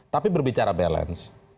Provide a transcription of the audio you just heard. tapi berbicara balance